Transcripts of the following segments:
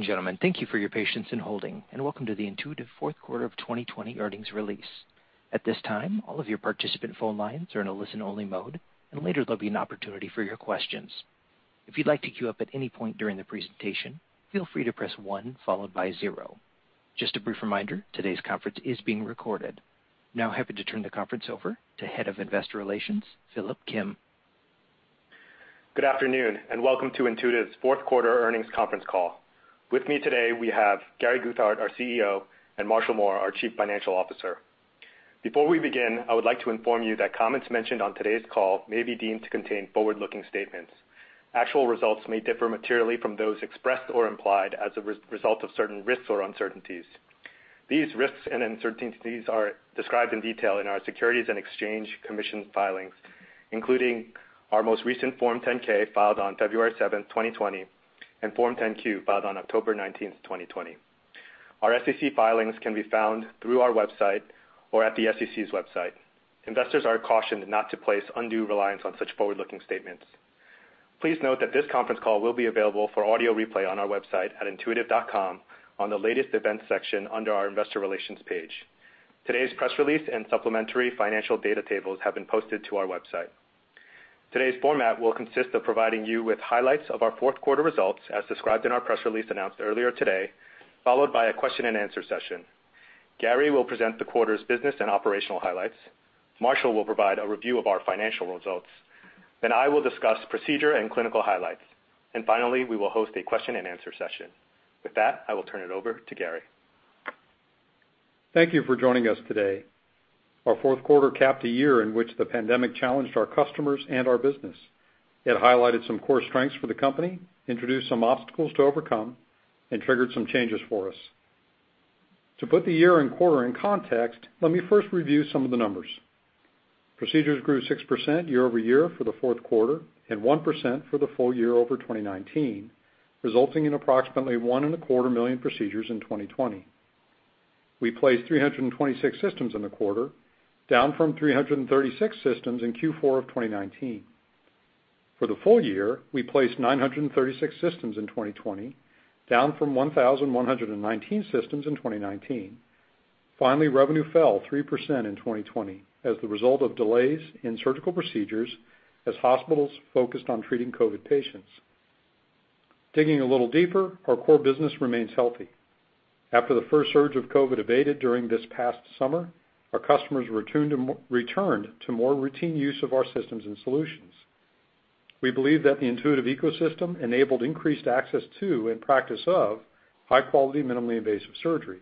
Ladies and gentlemen, thank you for your patience in holding, and welcome to the Intuitive fourth quarter of 2020 earnings release. Just a brief reminder, today's conference is being recorded. Now happy to turn the conference over to Head of Investor Relations, Philip Kim. Good afternoon, welcome to Intuitive's fourth quarter earnings conference call. With me today, we have Gary Guthart, our CEO, and Marshall Mohr, our Chief Financial Officer. Before we begin, I would like to inform you that comments mentioned on today's call may be deemed to contain forward-looking statements. Actual results may differ materially from those expressed or implied as a result of certain risks or uncertainties. These risks and uncertainties are described in detail in our Securities and Exchange Commission filings, including our most recent Form 10-K filed on February 7, 2020, and Form 10-Q, filed on October 19, 2020. Our SEC filings can be found through our website or at the SEC's website. Investors are cautioned not to place undue reliance on such forward-looking statements. Please note that this conference call will be available for audio replay on our website at intuitive.com on the Latest Events section under our Investor Relations page. Today's press release and supplementary financial data tables have been posted to our website. Today's format will consist of providing you with highlights of our fourth quarter results as described in our press release announced earlier today, followed by a question and answer session. Gary will present the quarter's business and operational highlights. Marshall will provide a review of our financial results. I will discuss procedure and clinical highlights. Finally, we will host a question and answer session. With that, I will turn it over to Gary. Thank you for joining us today. Our fourth quarter capped a year in which the pandemic challenged our customers and our business. It highlighted some core strengths for the company, introduced some obstacles to overcome, and triggered some changes for us. To put the year and quarter in context, let me first review some of the numbers. Procedures grew 6% year-over-year for the fourth quarter and 1% for the full year over 2019, resulting in approximately one and a quarter million procedures in 2020. We placed 326 systems in the quarter, down from 336 systems in Q4 of 2019. For the full year, we placed 936 systems in 2020, down from 1,119 systems in 2019. Finally, revenue fell 3% in 2020 as the result of delays in surgical procedures as hospitals focused on treating COVID patients. Digging a little deeper, our core business remains healthy. After the first surge of COVID abated during this past summer, our customers returned to more routine use of our systems and solutions. We believe that the Intuitive ecosystem enabled increased access to and practice of high-quality, minimally invasive surgery,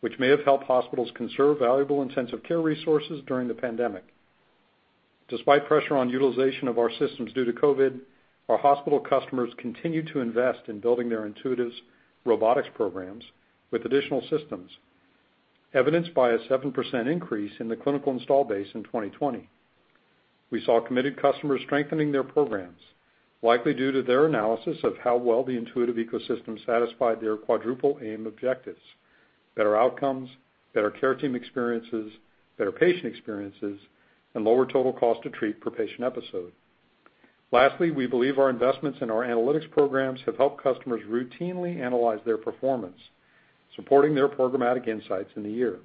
which may have helped hospitals conserve valuable intensive care resources during the pandemic. Despite pressure on utilization of our systems due to COVID, our hospital customers continued to invest in building their Intuitive's robotics programs with additional systems, evidenced by a 7% increase in the clinical install base in 2020. We saw committed customers strengthening their programs, likely due to their analysis of how well the Intuitive ecosystem satisfied their Quadruple Aim objectives: better outcomes, better care team experiences, better patient experiences, and lower total cost to treat per patient episode. Lastly, we believe our investments in our analytics programs have helped customers routinely analyze their performance, supporting their programmatic insights in the year.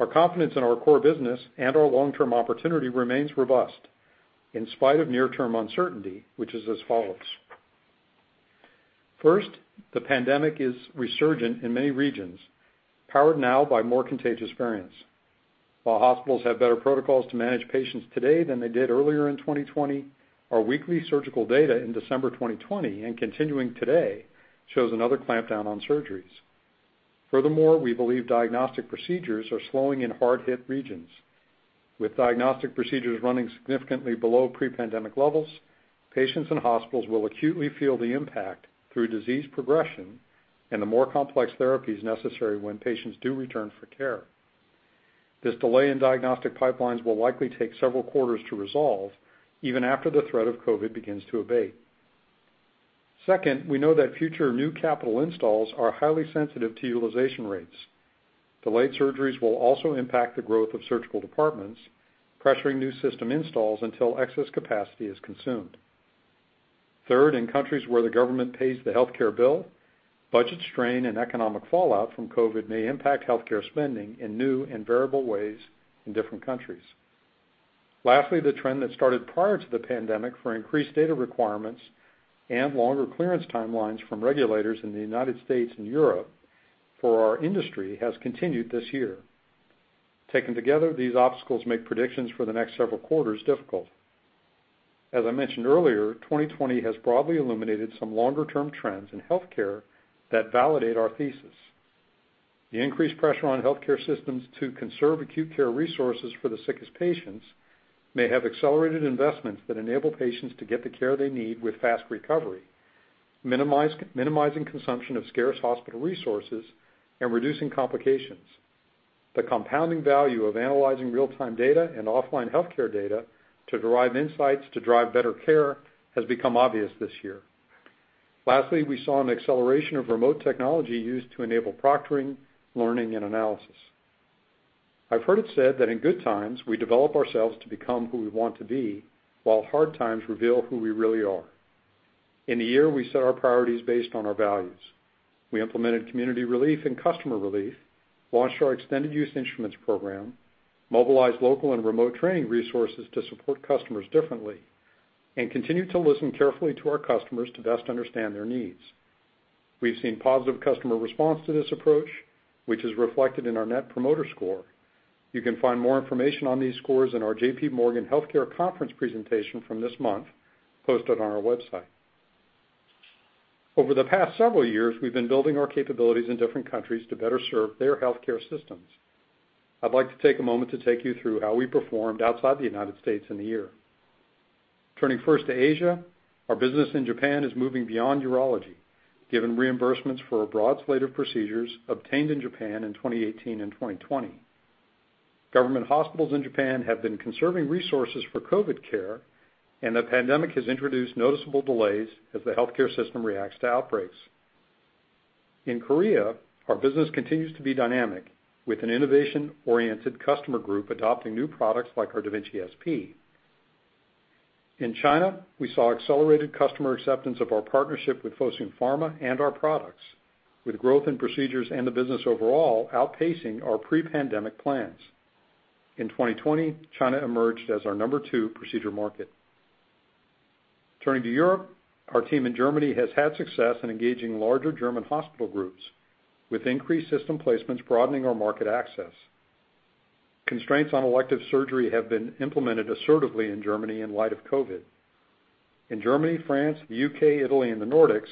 Our confidence in our core business and our long-term opportunity remains robust in spite of near-term uncertainty, which is as follows. First, the pandemic is resurgent in many regions, powered now by more contagious variants. While hospitals have better protocols to manage patients today than they did earlier in 2020, our weekly surgical data in December 2020 and continuing today shows another clampdown on surgeries. Furthermore, we believe diagnostic procedures are slowing in hard-hit regions. With diagnostic procedures running significantly below pre-pandemic levels, patients and hospitals will acutely feel the impact through disease progression and the more complex therapies necessary when patients do return for care. This delay in diagnostic pipelines will likely take several quarters to resolve, even after the threat of COVID-19 begins to abate. Second, we know that future new capital installs are highly sensitive to utilization rates. Delayed surgeries will also impact the growth of surgical departments, pressuring new system installs until excess capacity is consumed. Third, in countries where the government pays the healthcare bill, budget strain and economic fallout from COVID-19 may impact healthcare spending in new and variable ways in different countries. Lastly, the trend that started prior to the pandemic for increased data requirements and longer clearance timelines from regulators in the U.S. and Europe for our industry has continued this year. Taken together, these obstacles make predictions for the next several quarters difficult. As I mentioned earlier, 2020 has broadly illuminated some longer-term trends in healthcare that validate our thesis. The increased pressure on healthcare systems to conserve acute care resources for the sickest patients may have accelerated investments that enable patients to get the care they need with fast recovery, minimizing consumption of scarce hospital resources and reducing complications. The compounding value of analyzing real-time data and offline healthcare data to derive insights to drive better care has become obvious this year. Lastly, we saw an acceleration of remote technology used to enable proctoring, learning, and analysis. I've heard it said that in good times, we develop ourselves to become who we want to be, while hard times reveal who we really are. In the year, we set our priorities based on our values. We implemented community relief and customer relief, launched our Extended Use Instruments Program, mobilized local and remote training resources to support customers differently, and continued to listen carefully to our customers to best understand their needs. We've seen positive customer response to this approach, which is reflected in our Net Promoter Score. You can find more information on these scores in our JPMorgan Healthcare Conference presentation from this month, posted on our website. Over the past several years, we've been building our capabilities in different countries to better serve their healthcare systems. I'd like to take a moment to take you through how we performed outside the United States in the year. Turning first to Asia, our business in Japan is moving beyond urology, given reimbursements for a broad slate of procedures obtained in Japan in 2018 and 2020. Government hospitals in Japan have been conserving resources for COVID care, and the pandemic has introduced noticeable delays as the healthcare system reacts to outbreaks. In Korea, our business continues to be dynamic, with an innovation-oriented customer group adopting new products like our da Vinci SP. In China, we saw accelerated customer acceptance of our partnership with Fosun Pharma and our products, with growth in procedures and the business overall outpacing our pre-pandemic plans. In 2020, China emerged as our number two procedure market. Turning to Europe, our team in Germany has had success in engaging larger German hospital groups, with increased system placements broadening our market access. Constraints on elective surgery have been implemented assertively in Germany in light of COVID. In Germany, France, the U.K., Italy, and the Nordics,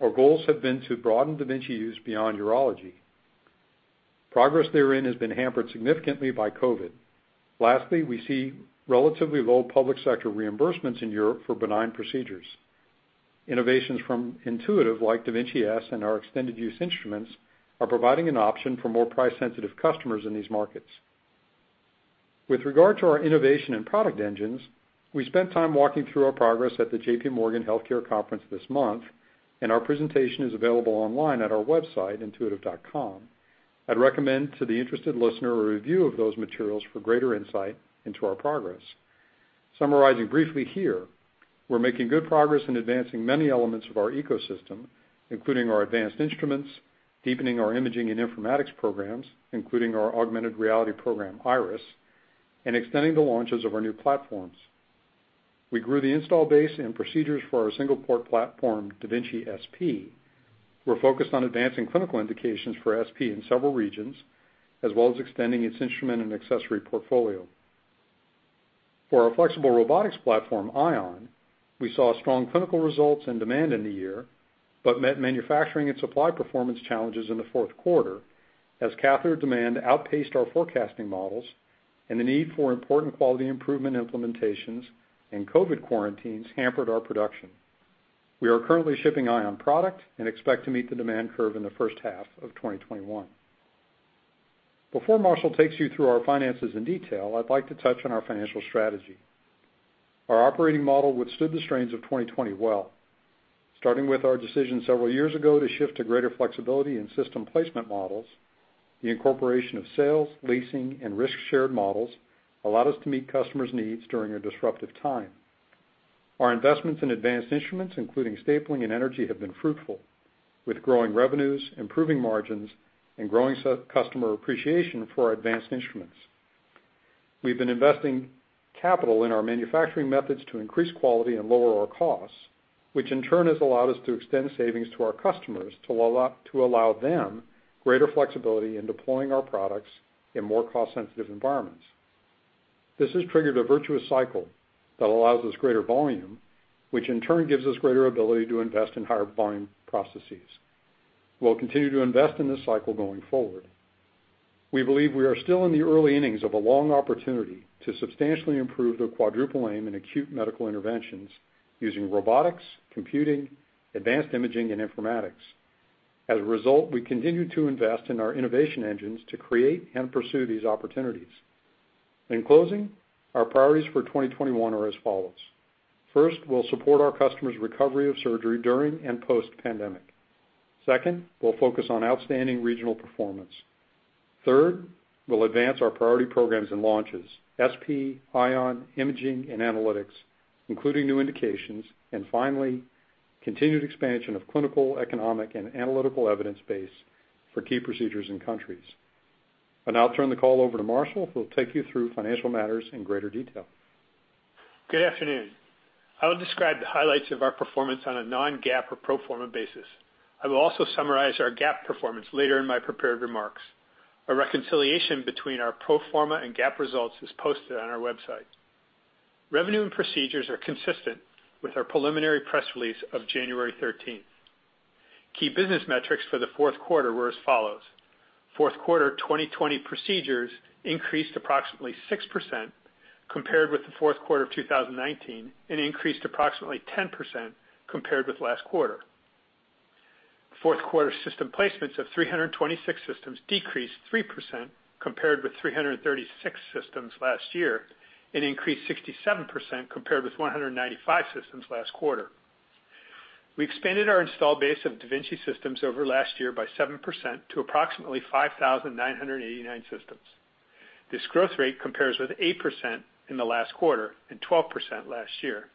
our goals have been to broaden da Vinci use beyond urology. Progress therein has been hampered significantly by COVID. Lastly, we see relatively low public sector reimbursements in Europe for benign procedures. Innovations from Intuitive like da Vinci Si and our extended use instruments are providing an option for more price-sensitive customers in these markets. With regard to our innovation and product engines, we spent time walking through our progress at the JPMorgan Healthcare Conference this month, and our presentation is available online at our website, intuitive.com. I'd recommend to the interested listener a review of those materials for greater insight into our progress. Summarizing briefly here, we're making good progress in advancing many elements of our ecosystem, including our advanced instruments, deepening our imaging and informatics programs, including our augmented reality program, Iris, and extending the launches of our new platforms. We grew the install base and procedures for our single-port platform, da Vinci SP. We're focused on advancing clinical indications for SP in several regions, as well as extending its instrument and accessory portfolio. For our flexible robotics platform, Ion, we saw strong clinical results and demand in the year, but met manufacturing and supply performance challenges in the fourth quarter as catheter demand outpaced our forecasting models and the need for important quality improvement implementations and COVID quarantines hampered our production. We are currently shipping Ion product and expect to meet the demand curve in the first half of 2021. Before Marshall takes you through our finances in detail, I'd like to touch on our financial strategy. Our operating model withstood the strains of 2020 well. Starting with our decision several years ago to shift to greater flexibility in system placement models, the incorporation of sales, leasing, and risk-shared models allowed us to meet customers' needs during a disruptive time. Our investments in advanced instruments, including stapling and energy, have been fruitful, with growing revenues, improving margins, and growing customer appreciation for our advanced instruments. We've been investing capital in our manufacturing methods to increase quality and lower our costs, which in turn has allowed us to extend savings to our customers to allow them greater flexibility in deploying our products in more cost-sensitive environments. This has triggered a virtuous cycle that allows us greater volume, which in turn gives us greater ability to invest in higher volume processes. We'll continue to invest in this cycle going forward. We believe we are still in the early innings of a long opportunity to substantially improve the Quadruple Aim in acute medical interventions using robotics, computing, advanced imaging, and informatics. As a result, we continue to invest in our innovation engines to create and pursue these opportunities. In closing, our priorities for 2021 are as follows. First, we'll support our customers' recovery of surgery during and post-pandemic. Second, we'll focus on outstanding regional performance. Third, we'll advance our priority programs and launches, SP, Ion, imaging, and analytics, including new indications. Finally, continued expansion of clinical, economic, and analytical evidence base for key procedures and countries. I'll now turn the call over to Marshall, who will take you through financial matters in greater detail. Good afternoon. I will describe the highlights of our performance on a non-GAAP or pro forma basis. I will also summarize our GAAP performance later in my prepared remarks. A reconciliation between our pro forma and GAAP results is posted on our website. Revenue and procedures are consistent with our preliminary press release of January 13th. Key business metrics for the fourth quarter were as follows. Fourth quarter 2020 procedures increased approximately 6% compared with the fourth quarter of 2019 and increased approximately 10% compared with last quarter. Fourth quarter system placements of 326 systems decreased 3% compared with 336 systems last year and increased 67% compared with 195 systems last quarter. We expanded our install base of da Vinci systems over last year by 7% to approximately 5,989 systems. This growth rate compares with 8% in the last quarter and 12% last year.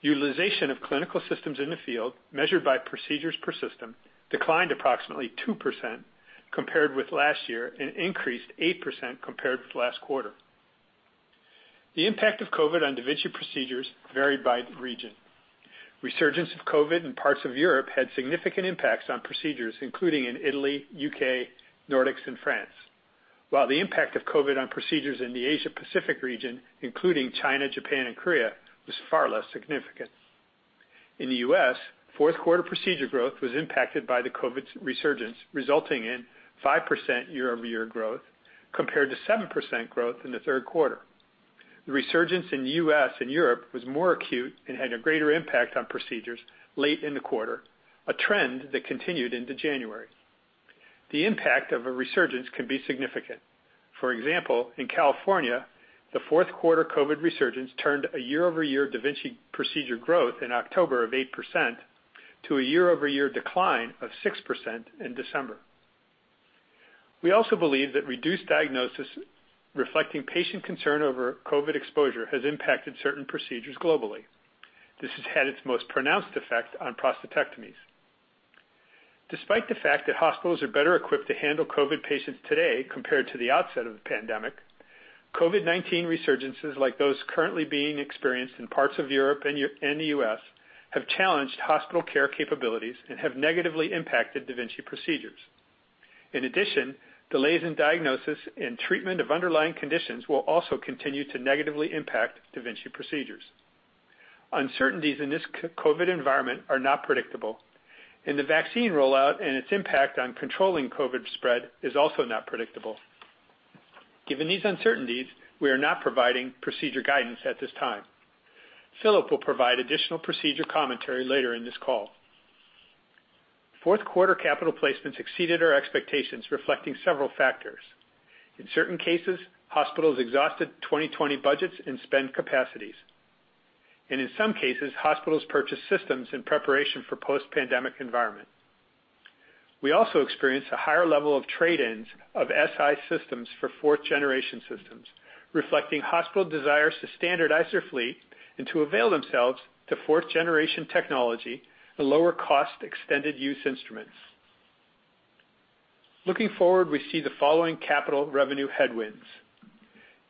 Utilization of clinical systems in the field, measured by procedures per system, declined approximately 2% compared with last year and increased 8% compared with last quarter. The impact of COVID on da Vinci procedures varied by region. Resurgence of COVID in parts of Europe had significant impacts on procedures, including in Italy, U.K., Nordics, and France. While the impact of COVID on procedures in the Asia Pacific region, including China, Japan, and Korea, was far less significant. In the U.S., fourth quarter procedure growth was impacted by the COVID resurgence, resulting in 5% year-over-year growth compared to 7% growth in the third quarter. The resurgence in the U.S. and Europe was more acute and had a greater impact on procedures late in the quarter, a trend that continued into January. The impact of a resurgence can be significant. For example, in California, the fourth quarter COVID resurgence turned a year-over-year da Vinci procedure growth in October of 8% to a year-over-year decline of 6% in December. We also believe that reduced diagnosis reflecting patient concern over COVID exposure has impacted certain procedures globally. This has had its most pronounced effect on prostatectomies. Despite the fact that hospitals are better equipped to handle COVID patients today compared to the outset of the pandemic, COVID-19 resurgences like those currently being experienced in parts of Europe and the U.S. have challenged hospital care capabilities and have negatively impacted da Vinci procedures. In addition, delays in diagnosis and treatment of underlying conditions will also continue to negatively impact da Vinci procedures. Uncertainties in this COVID environment are not predictable, and the vaccine rollout and its impact on controlling COVID spread is also not predictable. Given these uncertainties, we are not providing procedure guidance at this time. Philip will provide additional procedure commentary later in this call. Fourth quarter capital placements exceeded our expectations, reflecting several factors. In certain cases, hospitals exhausted 2020 budgets and spend capacities, and in some cases, hospitals purchased systems in preparation for post-pandemic environment. We also experienced a higher level of trade-ins of Si systems for fourth generation systems, reflecting hospital desires to standardize their fleet and to avail themselves to fourth generation technology and lower cost extended use instruments. Looking forward, we see the following capital revenue headwinds.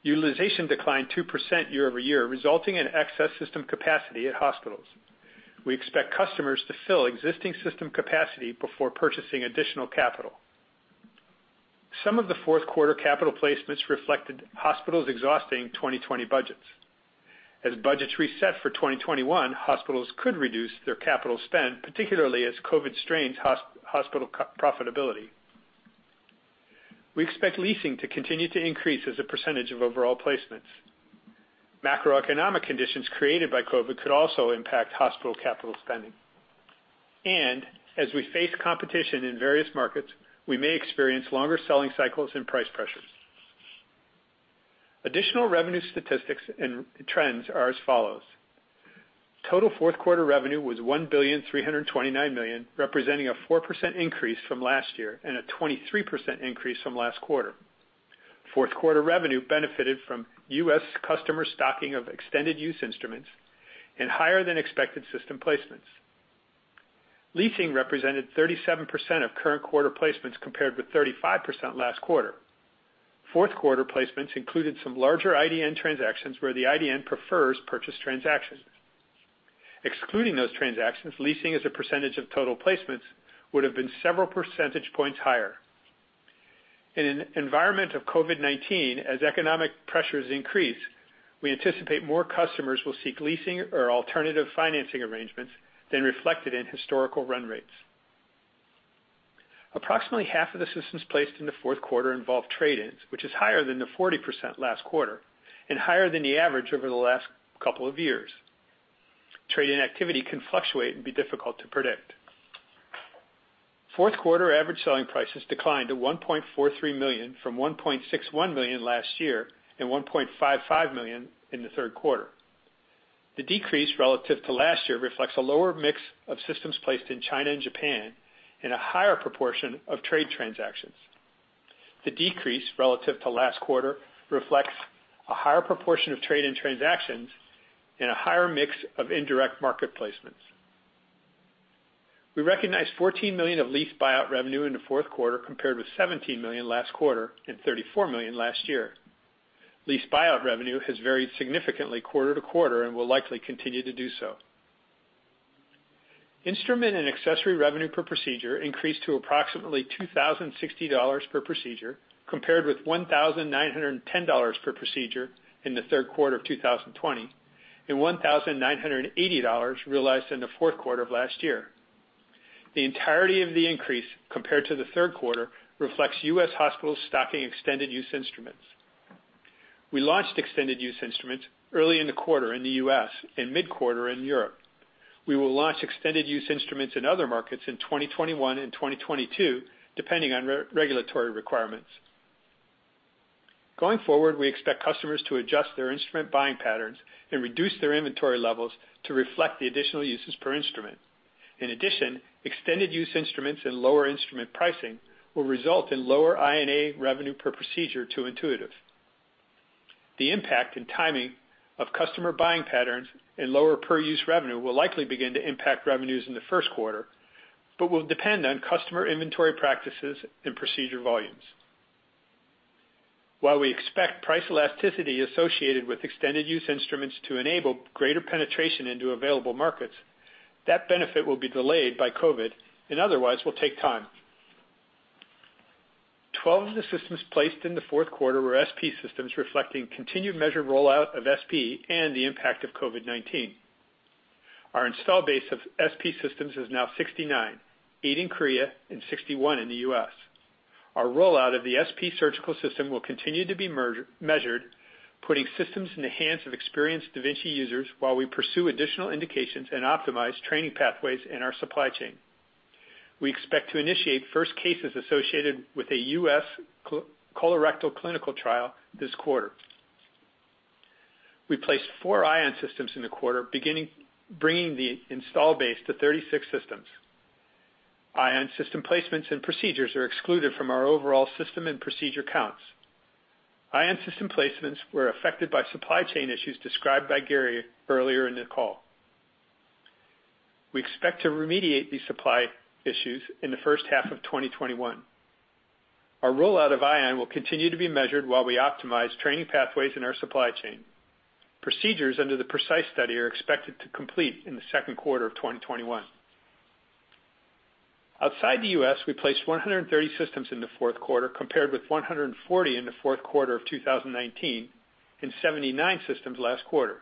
Utilization declined 2% year-over-year, resulting in excess system capacity at hospitals. We expect customers to fill existing system capacity before purchasing additional capital. Some of the fourth quarter capital placements reflected hospitals exhausting 2020 budgets. As budgets reset for 2021, hospitals could reduce their capital spend, particularly as COVID strains hospital profitability. We expect leasing to continue to increase as a percentage of overall placements. Macroeconomic conditions created by COVID could also impact hospital capital spending. As we face competition in various markets, we may experience longer selling cycles and price pressures. Additional revenue statistics and trends are as follows. Total fourth quarter revenue was $1,329,000,000, representing a 4% increase from last year and a 23% increase from last quarter. Fourth quarter revenue benefited from U.S. customer stocking of extended use instruments and higher than expected system placements. Leasing represented 37% of current quarter placements compared with 35% last quarter. Fourth quarter placements included some larger IDN transactions where the IDN prefers purchase transactions. Excluding those transactions, leasing as a percentage of total placements would've been several percentage points higher. In an environment of COVID-19, as economic pressures increase, we anticipate more customers will seek leasing or alternative financing arrangements than reflected in historical run rates. Approximately half of the systems placed in the fourth quarter involved trade-ins, which is higher than the 40% last quarter and higher than the average over the last couple of years. Trade-in activity can fluctuate and be difficult to predict. Fourth quarter average selling prices declined to $1.43 million from $1.61 million last year and $1.55 million in the third quarter. The decrease relative to last year reflects a lower mix of systems placed in China and Japan and a higher proportion of trade transactions. The decrease relative to last quarter reflects a higher proportion of trade-in transactions and a higher mix of indirect market placements. We recognized $14 million of lease buyout revenue in the fourth quarter compared with $17 million last quarter and $34 million last year. Lease buyout revenue has varied significantly quarter to quarter and will likely continue to do so. Instrument and accessory revenue per procedure increased to approximately $2,060 per procedure, compared with $1,910 per procedure in the third quarter of 2020 and $1,980 realized in the fourth quarter of last year. The entirety of the increase compared to the third quarter reflects U.S. hospitals stocking extended use instruments. We launched extended use instruments early in the quarter in the U.S. and mid-quarter in Europe. We will launch extended use instruments in other markets in 2021 and 2022, depending on regulatory requirements. Going forward, we expect customers to adjust their instrument buying patterns and reduce their inventory levels to reflect the additional uses per instrument. In addition, extended use instruments and lower instrument pricing will result in lower I&A revenue per procedure to Intuitive Surgical. The impact and timing of customer buying patterns and lower per-use revenue will likely begin to impact revenues in the first quarter, but will depend on customer inventory practices and procedure volumes. While we expect price elasticity associated with extended use instruments to enable greater penetration into available markets, that benefit will be delayed by COVID-19, and otherwise will take time. 12 of the systems placed in the fourth quarter were SP systems, reflecting continued measured rollout of SP and the impact of COVID-19. Our install base of SP systems is now 69, eight in Korea and 61 in the U.S. Our rollout of the SP surgical system will continue to be measured, putting systems in the hands of experienced da Vinci users while we pursue additional indications and optimize training pathways in our supply chain. We expect to initiate first cases associated with a U.S. colorectal clinical trial this quarter. We placed four Ion systems in the quarter, bringing the install base to 36 systems. Ion system placements and procedures are excluded from our overall system and procedure counts. Ion system placements were affected by supply chain issues described by Gary earlier in the call. We expect to remediate these supply issues in the first half of 2021. Our rollout of Ion will continue to be measured while we optimize training pathways in our supply chain. Procedures under the PRECIsE study are expected to complete in the second quarter of 2021. Outside the U.S., we placed 130 systems in the fourth quarter, compared with 140 in the fourth quarter of 2019, and 79 systems last quarter.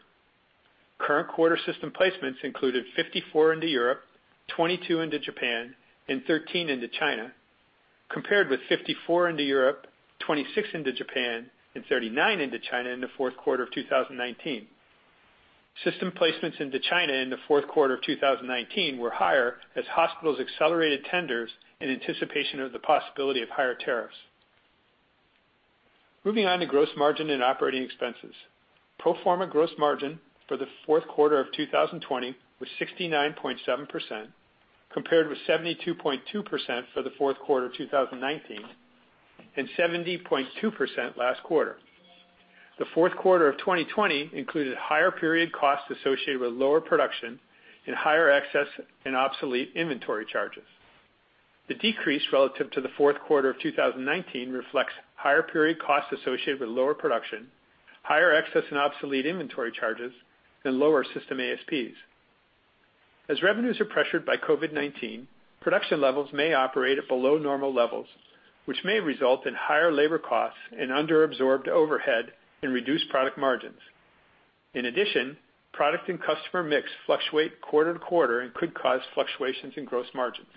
Current quarter system placements included 54 into Europe, 22 into Japan, and 13 into China, compared with 54 into Europe, 26 into Japan and 39 into China in the fourth quarter of 2019. System placements into China in the fourth quarter of 2019 were higher as hospitals accelerated tenders in anticipation of the possibility of higher tariffs. Moving on to gross margin and OpEx. Pro forma gross margin for the fourth quarter of 2020 was 69.7%, compared with 72.2% for the fourth quarter 2019, and 70.2% last quarter. The fourth quarter of 2020 included higher period costs associated with lower production and higher excess and obsolete inventory charges. The decrease relative to the fourth quarter of 2019 reflects higher period costs associated with lower production, higher excess and obsolete inventory charges, and lower system ASPs. As revenues are pressured by COVID-19, production levels may operate at below normal levels, which may result in higher labor costs and under-absorbed overhead and reduced product margins. In addition, product and customer mix fluctuate quarter to quarter and could cause fluctuations in gross margins.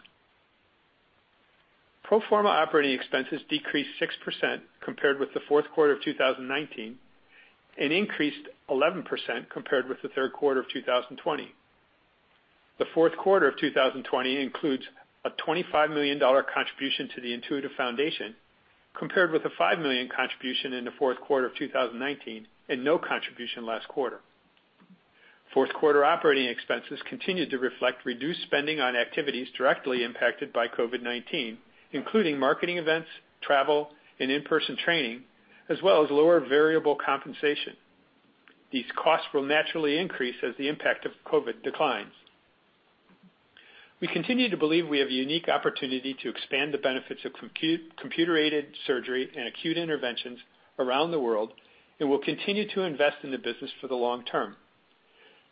Pro forma operating expenses decreased 6% compared with the fourth quarter of 2019, and increased 11% compared with the third quarter of 2020. The fourth quarter of 2020 includes a $25 million contribution to the Intuitive Foundation, compared with a $5 million contribution in the fourth quarter of 2019, and no contribution last quarter. Fourth quarter operating expenses continued to reflect reduced spending on activities directly impacted by COVID-19, including marketing events, travel, and in-person training, as well as lower variable compensation. These costs will naturally increase as the impact of COVID declines. We continue to believe we have a unique opportunity to expand the benefits of computer-aided surgery and acute interventions around the world and will continue to invest in the business for the long term.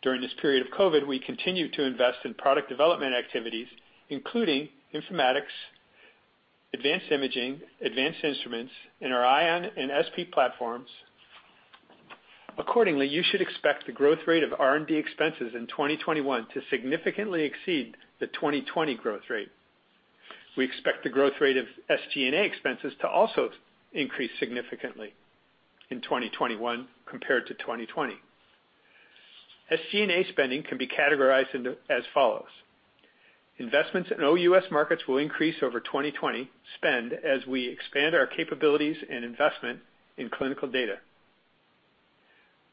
During this period of COVID, we continue to invest in product development activities, including informatics, advanced imaging, advanced instruments in our Ion and SP platforms. Accordingly, you should expect the growth rate of R&D expenses in 2021 to significantly exceed the 2020 growth rate. We expect the growth rate of SG&A expenses to also increase significantly in 2021 compared to 2020. SG&A spending can be categorized as follows. Investments in OUS markets will increase over 2020 spend as we expand our capabilities and investment in clinical data.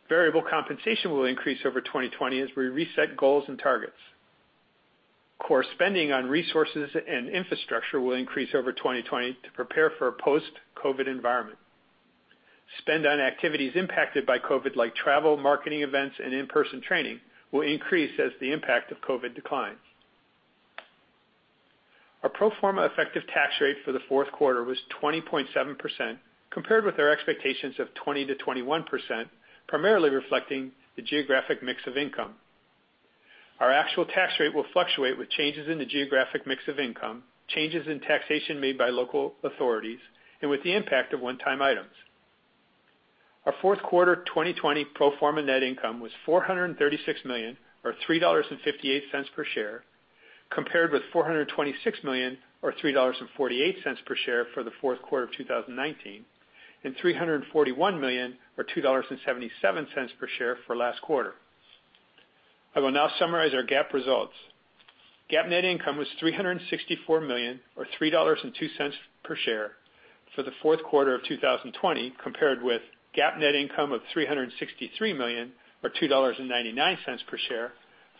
Variable compensation will increase over 2020 as we reset goals and targets. Core spending on resources and infrastructure will increase over 2020 to prepare for a post-COVID environment. Spend on activities impacted by COVID like travel, marketing events, and in-person training will increase as the impact of COVID declines. Our pro forma effective tax rate for the fourth quarter was 20.7%, compared with our expectations of 20%-21%, primarily reflecting the geographic mix of income. Our actual tax rate will fluctuate with changes in the geographic mix of income, changes in taxation made by local authorities, and with the impact of one-time items. Our fourth quarter 2020 pro forma net income was $436 million, or $3.58 per share, compared with $426 million or $3.48 per share for the fourth quarter of 2019, and $341 million or $2.77 per share for last quarter. I will now summarize our GAAP results. GAAP net income was $364 million, or $3.02 per share for the fourth quarter of 2020, compared with GAAP net income of $363 million, or $2.99 per share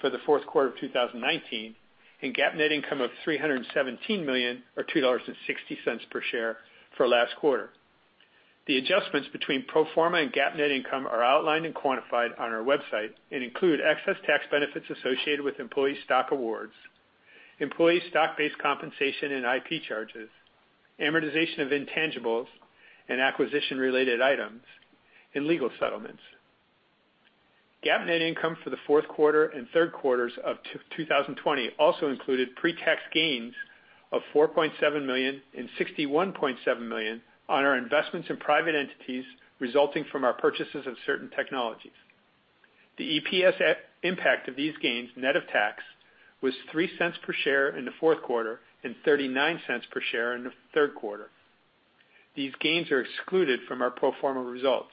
for the fourth quarter of 2019, and GAAP net income of $317 million, or $2.60 per share for last quarter. The adjustments between pro forma and GAAP net income are outlined and quantified on our website and include excess tax benefits associated with employee stock awards, employee stock-based compensation and IP charges, amortization of intangibles and acquisition-related items, and legal settlements. GAAP net income for the fourth quarter and third quarters of 2020 also included pre-tax gains of $4.7 million and $61.7 million on our investments in private entities resulting from our purchases of certain technologies. The EPS impact of these gains, net of tax, was $0.03 per share in the fourth quarter and $0.39 per share in the third quarter. These gains are excluded from our pro forma results.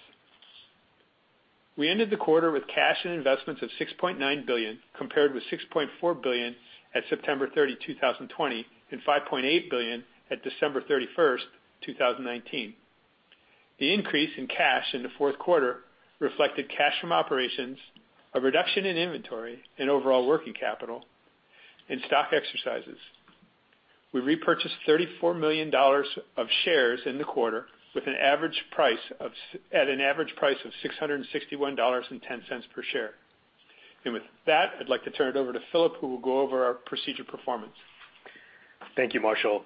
We ended the quarter with cash and investments of $6.9 billion, compared with $6.4 billion at September 30, 2020, and $5.8 billion at December 31st, 2019. The increase in cash in the fourth quarter reflected cash from operations, a reduction in inventory and overall working capital, and stock exercises. We repurchased $34 million of shares in the quarter at an average price of $661.10 per share. With that, I'd like to turn it over to Philip, who will go over our procedure performance. Thank you, Marshall.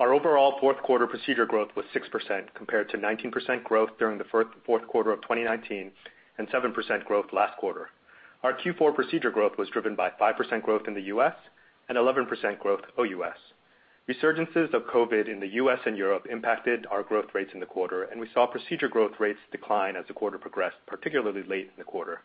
Our overall fourth quarter procedure growth was 6% compared to 19% growth during the fourth quarter of 2019, and 7% growth last quarter. Our Q4 procedure growth was driven by 5% growth in the U.S. and 11% growth OUS. Resurgences of COVID in the U.S. and Europe impacted our growth rates in the quarter, and we saw procedure growth rates decline as the quarter progressed, particularly late in the quarter.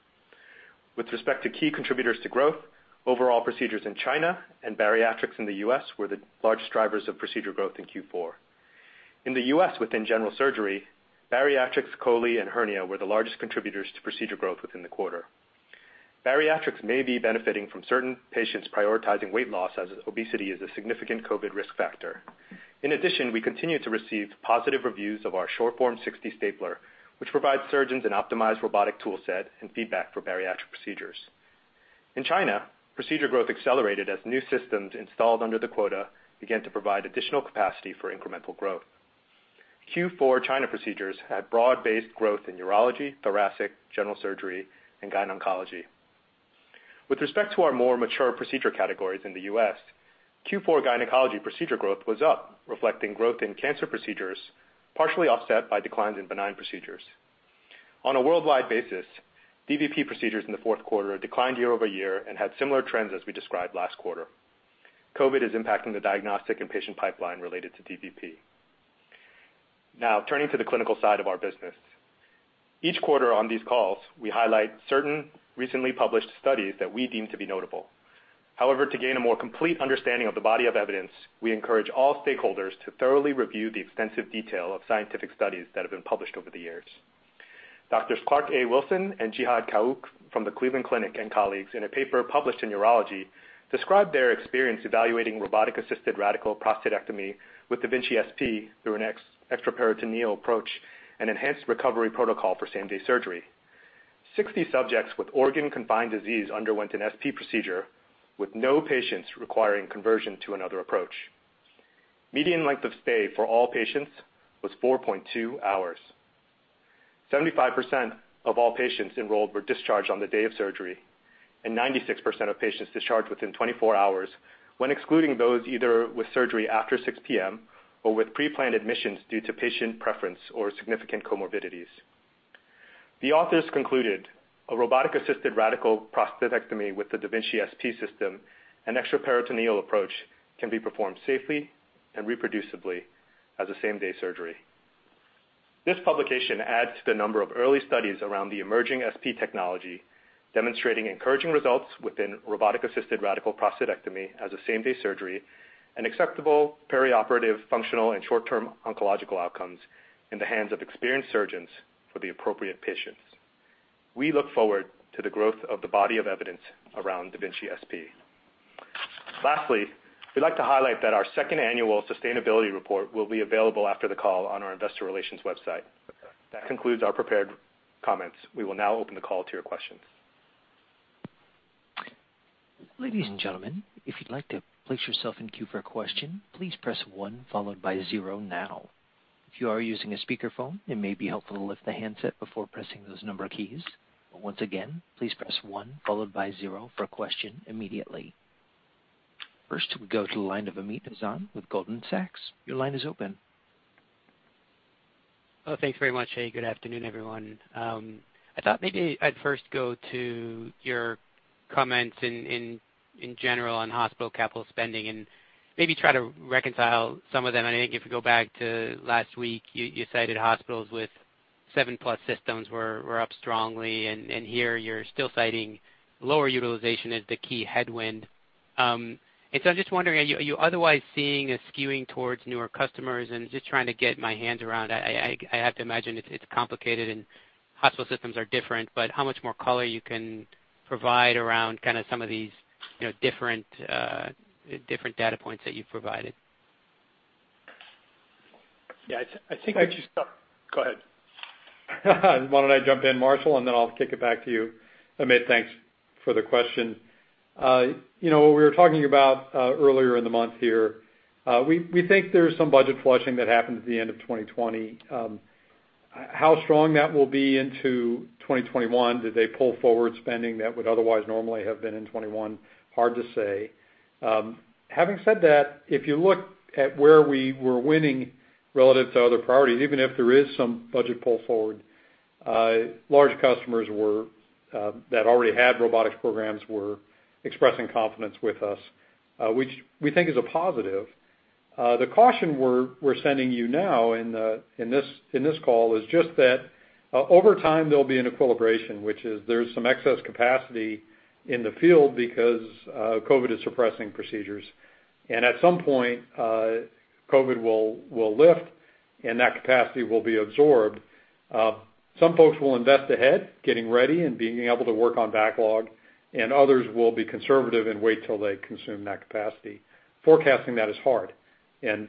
With respect to key contributors to growth, overall procedures in China and bariatrics in the U.S. were the largest drivers of procedure growth in Q4. In the U.S. within general surgery, bariatrics, chole, and hernia were the largest contributors to procedure growth within the quarter. Bariatrics may be benefiting from certain patients prioritizing weight loss as obesity is a significant COVID risk factor. In addition, we continue to receive positive reviews of our SureForm 60 stapler, which provides surgeons an optimized robotic tool set and feedback for bariatric procedures. In China, procedure growth accelerated as new systems installed under the quota began to provide additional capacity for incremental growth. Q4 China procedures had broad-based growth in urology, thoracic, general surgery, and gynecology. With respect to our more mature procedure categories in the U.S., Q4 gynecology procedure growth was up, reflecting growth in cancer procedures, partially offset by declines in benign procedures. On a worldwide basis, dVP procedures in the fourth quarter declined year-over-year and had similar trends as we described last quarter. COVID-19 is impacting the diagnostic and patient pipeline related to dVP. Now, turning to the clinical side of our business. Each quarter on these calls, we highlight certain recently published studies that we deem to be notable. However, to gain a more complete understanding of the body of evidence, we encourage all stakeholders to thoroughly review the extensive detail of scientific studies that have been published over the years. Doctors Clark A. Wilson and Jihad Kaouk from the Cleveland Clinic and colleagues in a paper published in Urology described their experience evaluating robotic-assisted radical prostatectomy with da Vinci SP through an extraperitoneal approach and enhanced recovery protocol for same-day surgery. 60 subjects with organ-confined disease underwent an SP procedure with no patients requiring conversion to another approach. Median length of stay for all patients was 4.2 hours. 75% of all patients enrolled were discharged on the day of surgery, and 96% of patients discharged within 24 hours when excluding those either with surgery after 6:00 P.M. or with pre-planned admissions due to patient preference or significant comorbidities. The authors concluded a robotic-assisted radical prostatectomy with the da Vinci SP system and extraperitoneal approach can be performed safely and reproducibly as a same-day surgery. This publication adds to the number of early studies around the emerging SP technology, demonstrating encouraging results within robotic-assisted radical prostatectomy as a same-day surgery and acceptable perioperative functional and short-term oncological outcomes in the hands of experienced surgeons for the appropriate patients. We look forward to the growth of the body of evidence around da Vinci SP. Lastly, we'd like to highlight that our second annual sustainability report will be available after the call on our investor relations website. That concludes our prepared comments. We will now open the call to your questions. Ladies and gentlemen, if you'd like to place yourself in to for a question, please press one followed by zero now. If you are using a speakerphone, it may be helpful to lift the handset before pressing those number keys. Once again, please press one followed by zero for questions immediately. First, we go to the line of Amit Hazan with Goldman Sachs. Your line is open. Oh, thanks very much. Hey, good afternoon, everyone. I thought maybe I'd first go to your comments in general on hospital capital spending and maybe try to reconcile some of them. I think if you go back to last week, you cited hospitals with seven-plus systems were up strongly, and here you're still citing lower utilization as the key headwind. I'm just wondering, are you otherwise seeing a skewing towards newer customers? Just trying to get my hands around it. I have to imagine it's complicated and hospital systems are different, but how much more color you can provide around some of these different data points that you've provided. Yeah, I think. Go ahead. Why don't I jump in, Marshall, and then I'll kick it back to you. Amit, thanks for the question. What we were talking about earlier in the month here, we think there's some budget flushing that happened at the end of 2020. How strong that will be into 2021, did they pull forward spending that would otherwise normally have been in 2021? Hard to say. Having said that, if you look at where we were winning relative to other priorities, even if there is some budget pull forward, large customers that already had robotics programs were expressing confidence with us, which we think is a positive. The caution we're sending you now in this call is just that over time, there'll be an equilibration, which is there's some excess capacity in the field because COVID is suppressing procedures. At some point, COVID will lift, and that capacity will be absorbed. Some folks will invest ahead, getting ready and being able to work on backlog, and others will be conservative and wait till they consume that capacity. Forecasting that is hard. That's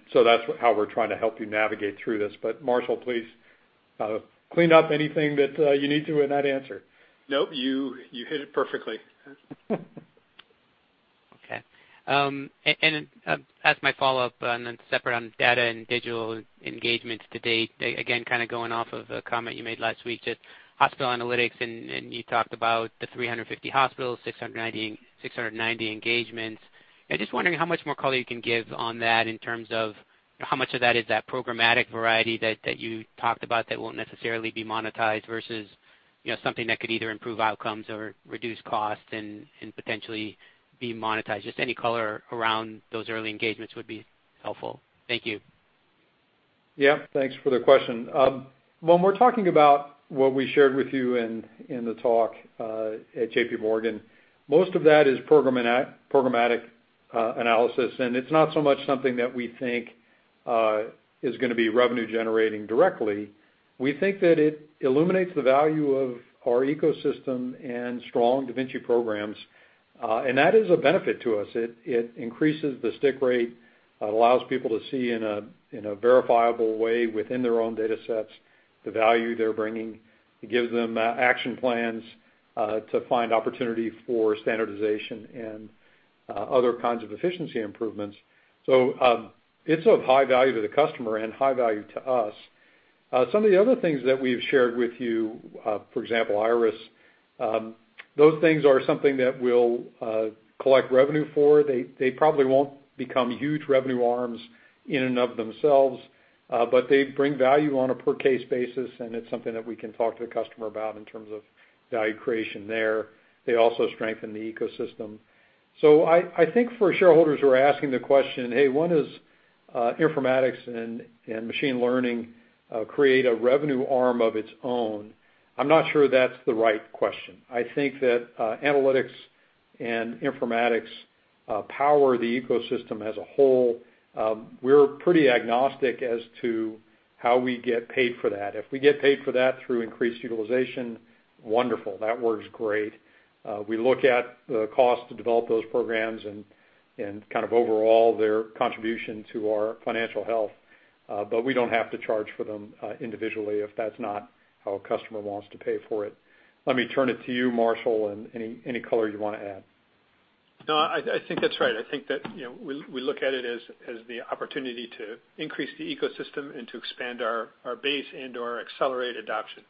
how we're trying to help you navigate through this. Marshall, please clean up anything that you need to in that answer. No, you hit it perfectly. Okay. As my follow-up, separate on data and digital engagements to date, again, going off of a comment you made last week, just hospital analytics, you talked about the 350 hospitals, 690 engagements. I'm just wondering how much more color you can give on that in terms of how much of that is that programmatic variety that you talked about that won't necessarily be monetized versus something that could either improve outcomes or reduce costs and potentially be monetized? Just any color around those early engagements would be helpful. Thank you. Yeah, thanks for the question. When we're talking about what we shared with you in the talk at JPMorgan, most of that is programmatic analysis, and it's not so much something that we think is going to be revenue generating directly. We think that it illuminates the value of our ecosystem and strong da Vinci programs. That is a benefit to us. It increases the stick rate. It allows people to see in a verifiable way within their own data sets the value they're bringing. It gives them action plans to find opportunity for standardization and other kinds of efficiency improvements. It's of high value to the customer and high value to us. Some of the other things that we've shared with you, for example, Iris, those things are something that we'll collect revenue for. They probably won't become huge revenue arms in and of themselves, but they bring value on a per case basis, and it's something that we can talk to the customer about in terms of value creation there. They also strengthen the ecosystem. I think for shareholders who are asking the question, "Hey, when does informatics and machine learning create a revenue arm of its own?" I'm not sure that's the right question. I think that analytics and informatics power the ecosystem as a whole. We're pretty agnostic as to how we get paid for that. If we get paid for that through increased utilization, wonderful. That works great. We look at the cost to develop those programs and overall their contribution to our financial health. We don't have to charge for them individually if that's not how a customer wants to pay for it. Let me turn it to you, Marshall, and any color you want to add. No, I think that's right. I think that we look at it as the opportunity to increase the ecosystem and to expand our base and/or accelerate adoption.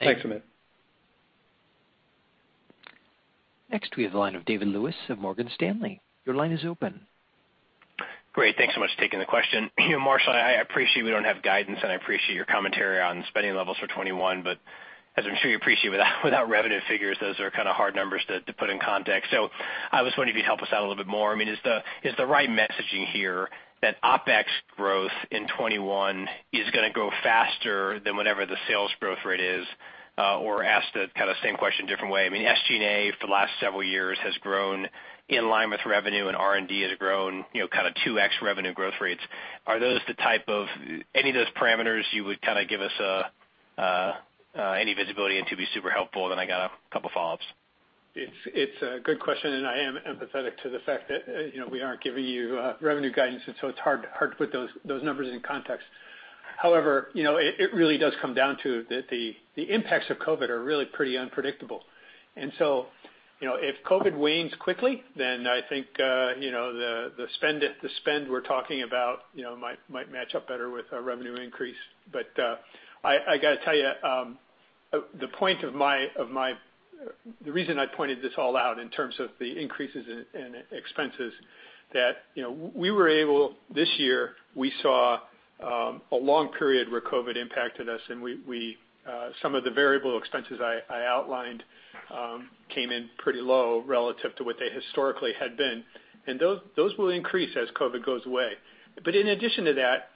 Thanks, Amit. Next we have the line of David Lewis of Morgan Stanley. Your line is open. Great. Thanks so much for taking the question. Marshall, I appreciate we don't have guidance, and I appreciate your commentary on spending levels for 2021. As I'm sure you appreciate, without revenue figures, those are hard numbers to put in context. I was wondering if you'd help us out a little bit more. Is the right messaging here that OpEx growth in 2021 is going to grow faster than whatever the sales growth rate is? Ask the same question a different way. SG&A for the last several years has grown in line with revenue, and R&D has grown 2x revenue growth rates. Are those the type of any of those parameters you would give us any visibility into would be super helpful? I got a couple follow-ups. It's a good question, I am empathetic to the fact that we aren't giving you revenue guidance. It's hard to put those numbers in context. However, it really does come down to the impacts of COVID are really pretty unpredictable. If COVID wanes quickly, then I think the spend we're talking about might match up better with a revenue increase. I got to tell you, the reason I pointed this all out in terms of the increases in expenses that we were able, this year, we saw a long period where COVID impacted us, and some of the variable expenses I outlined came in pretty low relative to what they historically had been. Those will increase as COVID goes away. In addition to that,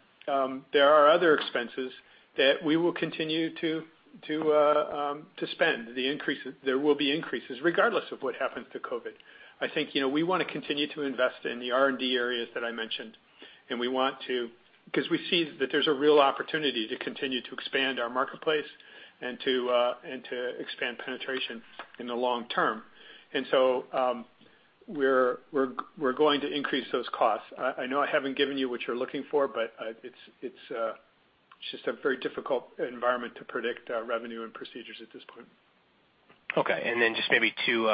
there are other expenses that we will continue to spend. There will be increases regardless of what happens to COVID. I think we want to continue to invest in the R&D areas that I mentioned, because we see that there's a real opportunity to continue to expand our marketplace and to expand penetration in the long term. We're going to increase those costs. I know I haven't given you what you're looking for, it's just a very difficult environment to predict revenue and procedures at this point. Okay. Just maybe two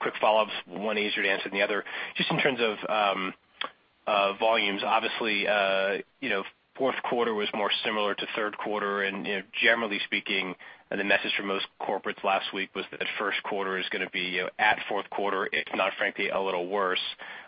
quick follow-ups. One easier to answer than the other. Just in terms of volumes, obviously, fourth quarter was more similar to third quarter, and generally speaking, the message from most corporates last week was that first quarter is going to be at fourth quarter, if not frankly, a little worse.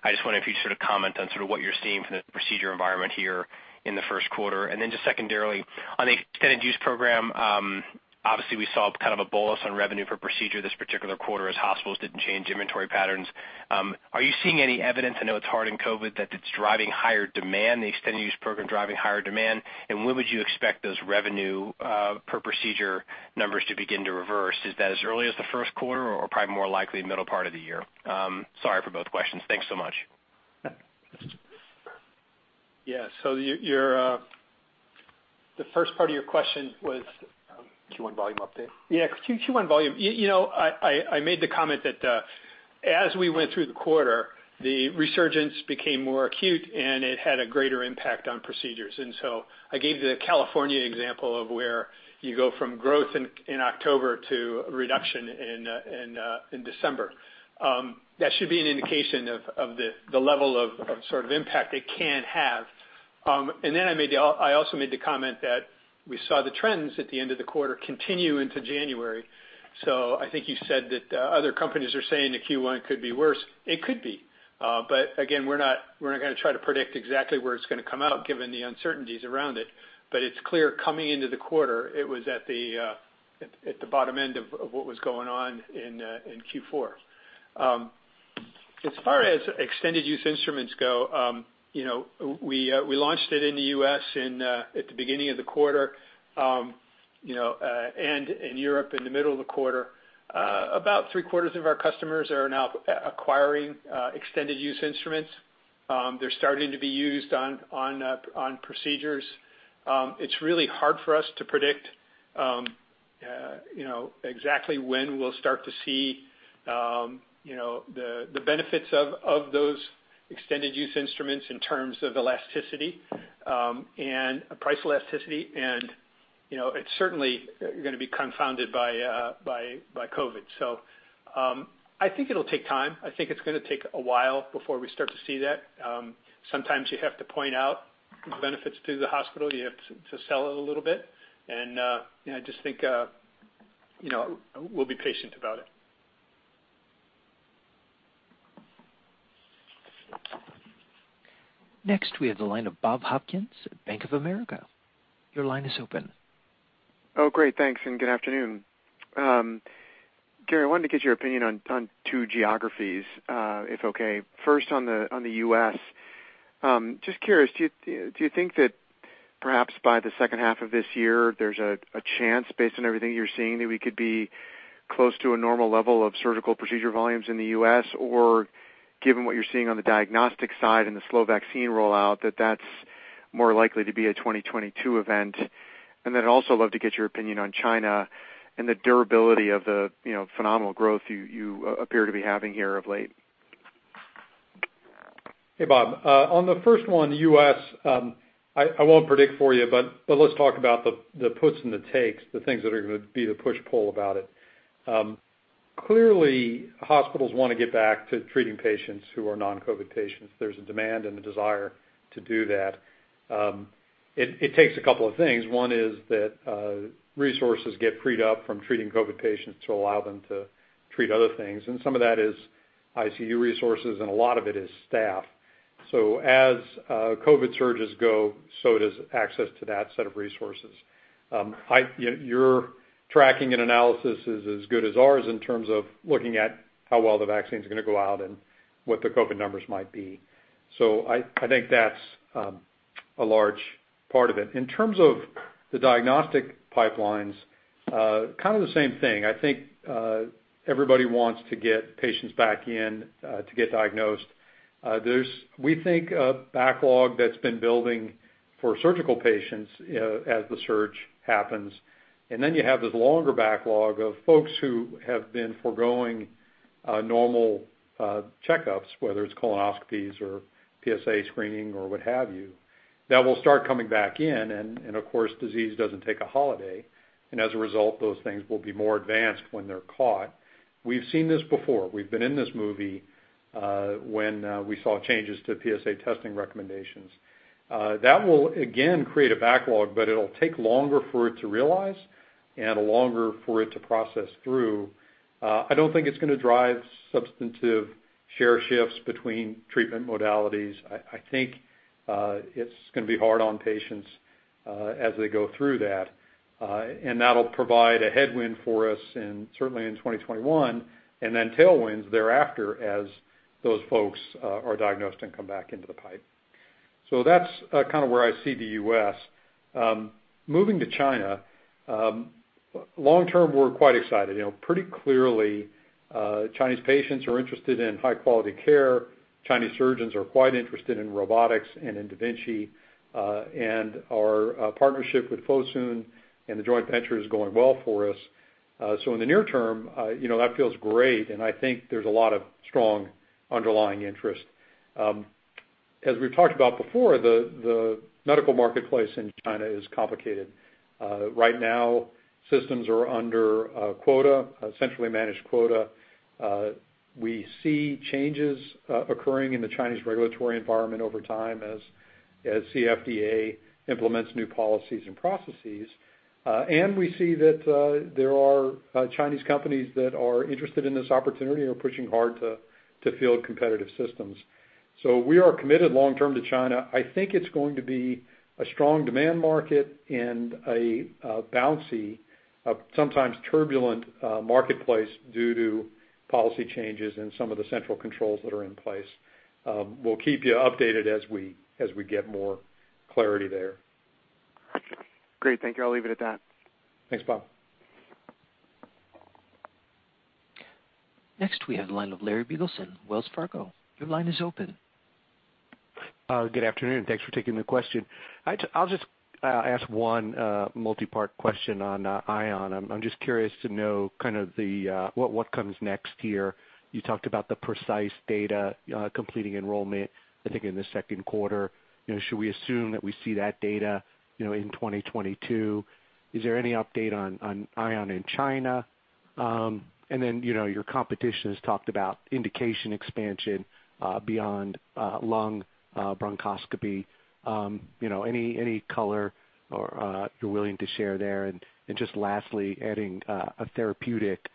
I just wonder if you sort of comment on sort of what you're seeing from the procedure environment here in the first quarter. Just secondarily, on the Extended Use Program, obviously we saw kind of a bolus on revenue per procedure this particular quarter as hospitals didn't change inventory patterns. Are you seeing any evidence, I know it's hard in COVID, that it's driving higher demand, the Extended Use Program driving higher demand? When would you expect those revenue per procedure numbers to begin to reverse? Is that as early as the first quarter or probably more likely middle part of the year? Sorry for both questions. Thanks so much. Yeah. The first part of your question was. Q1 volume update. Yeah. Q1 volume. I made the comment that as we went through the quarter, the resurgence became more acute, and it had a greater impact on procedures. I gave the California example of where you go from growth in October to a reduction in December. That should be an indication of the level of sort of impact it can have. I also made the comment that we saw the trends at the end of the quarter continue into January. I think you said that other companies are saying that Q1 could be worse. It could be. Again, we're not going to try to predict exactly where it's going to come out given the uncertainties around it. It's clear coming into the quarter, it was at the bottom end of what was going on in Q4. As far as extended use instruments go, we launched it in the U.S. at the beginning of the quarter, and in Europe in the middle of the quarter. About three-quarters of our customers are now acquiring extended use instruments. They're starting to be used on procedures. It's really hard for us to predict exactly when we'll start to see the benefits of those extended use instruments in terms of elasticity and price elasticity, and it's certainly going to be confounded by COVID. I think it'll take time. I think it's going to take a while before we start to see that. Sometimes you have to point out the benefits to the hospital. You have to sell it a little bit. I just think we'll be patient about it. Next, we have the line of Bob Hopkins at Bank of America. Your line is open. Oh, great. Thanks, and good afternoon. Gary, I wanted to get your opinion on two geographies, if okay. First on the U.S. Just curious, do you think that perhaps by the second half of this year, there's a chance based on everything you're seeing that we could be close to a normal level of surgical procedure volumes in the U.S.? Given what you're seeing on the diagnostic side and the slow vaccine rollout, that that's more likely to be a 2022 event? I'd also love to get your opinion on China and the durability of the phenomenal growth you appear to be having here of late. Hey, Bob. On the first one, the U.S., I won't predict for you, but let's talk about the puts and the takes, the things that are going to be the push-pull about it. Clearly, hospitals want to get back to treating patients who are non-COVID patients. There's a demand and a desire to do that. It takes a couple of things. One is that resources get freed up from treating COVID patients to allow them to treat other things, and some of that is ICU resources, and a lot of it is staff. As COVID surges go, so does access to that set of resources. Your tracking and analysis is as good as ours in terms of looking at how well the vaccine's going to go out and what the COVID numbers might be. I think that's a large part of it. In terms of the diagnostic pipelines, kind of the same thing. I think everybody wants to get patients back in to get diagnosed. There's, we think, a backlog that's been building for surgical patients as the surge happens. You have this longer backlog of folks who have been foregoing normal checkups, whether it's colonoscopies or PSA screening or what have you, that will start coming back in, and of course, disease doesn't take a holiday. As a result, those things will be more advanced when they're caught. We've seen this before. We've been in this movie when we saw changes to PSA testing recommendations. That will again create a backlog, but it'll take longer for it to realize and longer for it to process through. I don't think it's going to drive substantive share shifts between treatment modalities. I think it's going to be hard on patients as they go through that. That'll provide a headwind for us certainly in 2021, and tailwinds thereafter as those folks are diagnosed and come back into the pipe. That's kind of where I see the U.S. Moving to China. Long-term, we're quite excited. Pretty clearly, Chinese patients are interested in high-quality care. Chinese surgeons are quite interested in robotics and in da Vinci. Our partnership with Fosun and the joint venture is going well for us. In the near term, that feels great, and I think there's a lot of strong underlying interest. As we've talked about before, the medical marketplace in China is complicated. Right now, systems are under a centrally managed quota. We see changes occurring in the Chinese regulatory environment over time as CFDA implements new policies and processes. We see that there are Chinese companies that are interested in this opportunity and are pushing hard to field competitive systems. We are committed long-term to China. I think it's going to be a strong demand market and a bouncy, sometimes turbulent, marketplace due to policy changes and some of the central controls that are in place. We'll keep you updated as we get more clarity there. Great. Thank you. I'll leave it at that. Thanks, Bob. Next, we have the line of Larry Biegelsen, Wells Fargo. Your line is open. Good afternoon. Thanks for taking the question. I'll just ask one multi-part question on Ion. I'm just curious to know what comes next here. You talked about the PRECIsE data completing enrollment, I think, in the second quarter. Should we assume that we see that data in 2022? Is there any update on Ion in China? Your competition has talked about indication expansion beyond lung bronchoscopy. Any color you're willing to share there? Just lastly, adding a therapeutic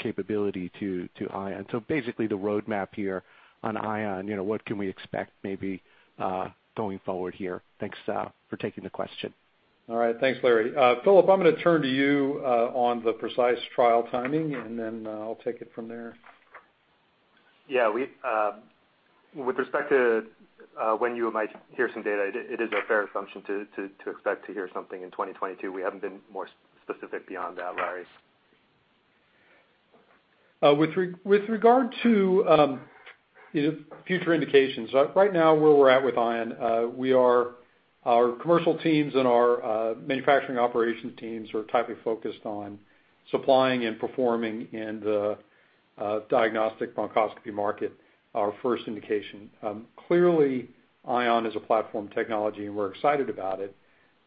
capability to Ion. Basically, the roadmap here on Ion. What can we expect maybe going forward here? Thanks for taking the question. All right. Thanks, Larry. Philip, I'm going to turn to you on the PRECIsE trial timing, and then I'll take it from there. Yeah. With respect to when you might hear some data, it is a fair assumption to expect to hear something in 2022. We haven't been more specific beyond that, Larry. With regard to future indications, right now where we're at with Ion, our commercial teams and our manufacturing operations teams are tightly focused on supplying and performing in the diagnostic bronchoscopy market, our first indication. Clearly, Ion is a platform technology and we're excited about it.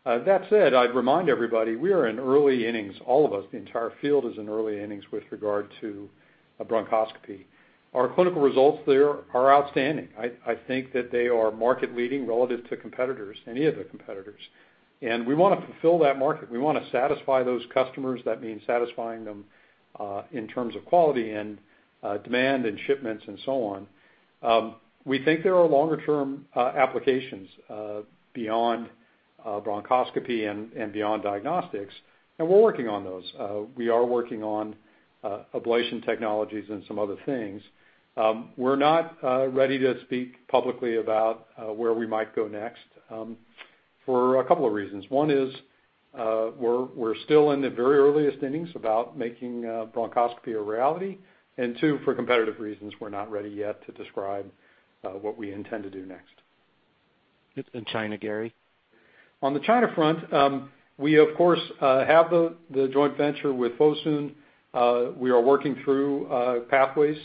That said, I'd remind everybody we are in early innings, all of us. The entire field is in early innings with regard to bronchoscopy. Our clinical results there are outstanding. I think that they are market leading relative to competitors, any of the competitors. We want to fulfill that market. We want to satisfy those customers. That means satisfying them in terms of quality and demand and shipments and so on. We think there are longer-term applications beyond bronchoscopy and beyond diagnostics, and we're working on those. We are working on ablation technologies and some other things. We're not ready to speak publicly about where we might go next for a couple of reasons. One is we're still in the very earliest innings about making bronchoscopy a reality. Two, for competitive reasons, we're not ready yet to describe what we intend to do next. China, Gary? On the China front, we of course have the joint venture with Fosun. We are working through pathways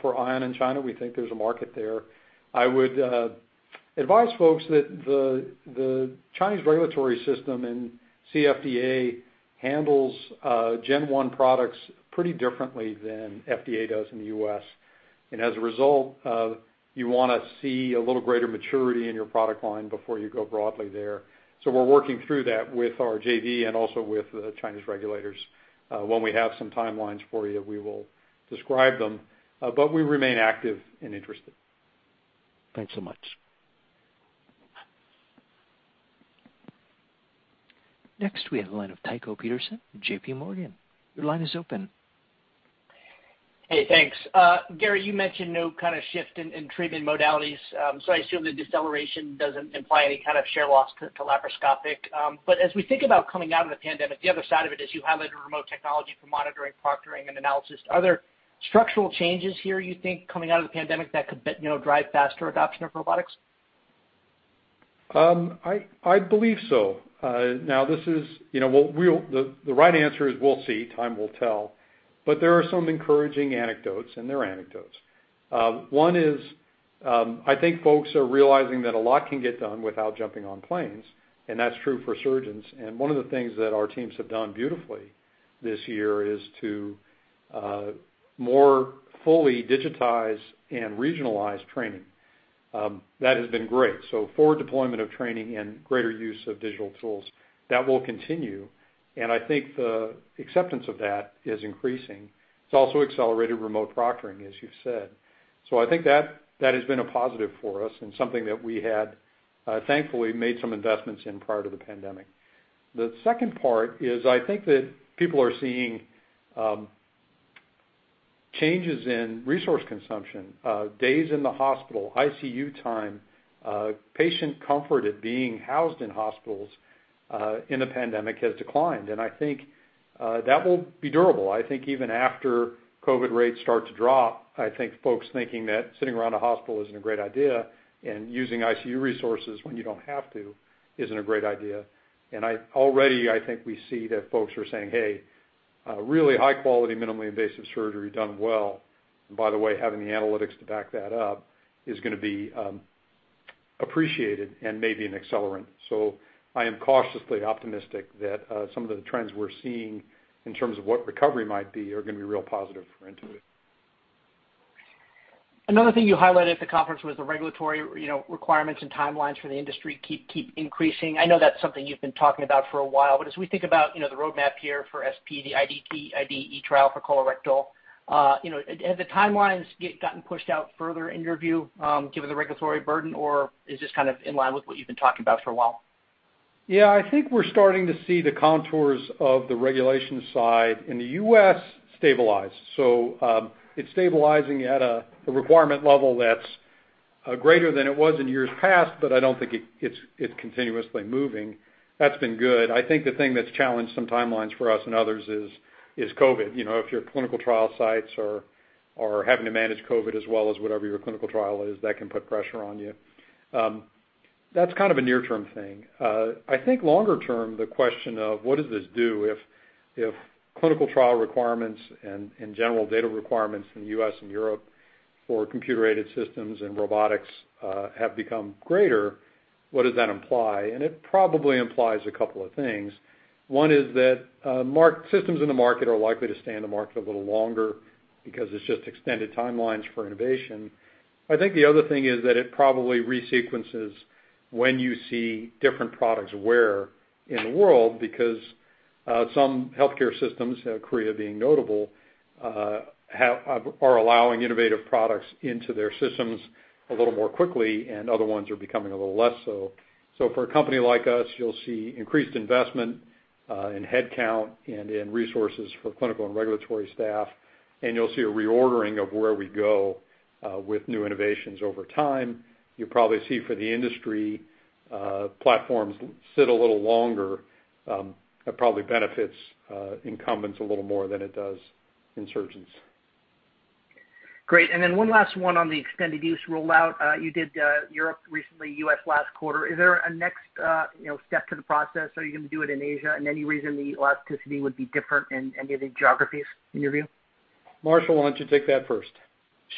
for Ion in China. We think there's a market there. I would advise folks that the Chinese regulatory system and CFDA handles Gen 1 products pretty differently than FDA does in the U.S. As a result, you want to see a little greater maturity in your product line before you go broadly there. We're working through that with our JV and also with the Chinese regulators. When we have some timelines for you, we will describe them. We remain active and interested. Thanks so much. Next, we have the line of Tycho Peterson, JPMorgan. Your line is open. Hey, thanks. Gary, you mentioned no shift in treatment modalities, so I assume the deceleration doesn't imply any kind of share loss to laparoscopic. As we think about coming out of the pandemic, the other side of it is you have a remote technology for monitoring, proctoring, and analysis. Are there structural changes here you think coming out of the pandemic that could drive faster adoption of robotics? I believe so. The right answer is we'll see. Time will tell. There are some encouraging anecdotes, and they're anecdotes. One is I think folks are realizing that a lot can get done without jumping on planes, and that's true for surgeons. One of the things that our teams have done beautifully this year is to more fully digitize and regionalize training. That has been great. Forward deployment of training and greater use of digital tools. That will continue, and I think the acceptance of that is increasing. It's also accelerated remote proctoring, as you said. I think that has been a positive for us and something that we had thankfully made some investments in prior to the pandemic. The second part is I think that people are seeing changes in resource consumption, days in the hospital, ICU time, patient comfort at being housed in hospitals in the pandemic has declined, and I think that will be durable. I think even after COVID rates start to drop, I think folks thinking that sitting around a hospital isn't a great idea and using ICU resources when you don't have to isn't a great idea. Already, I think we see that folks are saying, "Hey, really high quality, minimally invasive surgery done well," and by the way, having the analytics to back that up is going to be appreciated and maybe an accelerant. I am cautiously optimistic that some of the trends we're seeing in terms of what recovery might be are going to be real positive for Intuitive. Another thing you highlighted at the conference was the regulatory requirements and timelines for the industry keep increasing. I know that's something you've been talking about for a while. As we think about the roadmap here for SP, the IDE trial for colorectal, have the timelines gotten pushed out further in your view, given the regulatory burden, or is this kind of in line with what you've been talking about for a while? Yeah. I think we're starting to see the contours of the regulation side in the U.S. stabilize. It's stabilizing at a requirement level that's greater than it was in years past, but I don't think it's continuously moving. That's been good. I think the thing that's challenged some timelines for us and others is COVID. If your clinical trial sites are having to manage COVID as well as whatever your clinical trial is, that can put pressure on you. That's kind of a near term thing. I think longer term, the question of what does this do if clinical trial requirements and general data requirements in the U.S. and Europe for computer-aided systems and robotics have become greater, what does that imply? It probably implies a couple of things. One is that systems in the market are likely to stay in the market a little longer because it's just extended timelines for innovation. I think the other thing is that it probably resequences when you see different products where in the world, because some healthcare systems, Korea being notable, are allowing innovative products into their systems a little more quickly, and other ones are becoming a little less so. For a company like us, you'll see increased investment in headcount and in resources for clinical and regulatory staff, and you'll see a reordering of where we go with new innovations over time. You'll probably see for the industry, platforms sit a little longer. That probably benefits incumbents a little more than it does insurgents. Great. Then one last one on the extended use rollout. You did Europe recently, U.S. last quarter. Is there a next step to the process? Are you going to do it in Asia? Any reason the elasticity would be different in any of the geographies in your view? Marshall, why don't you take that first?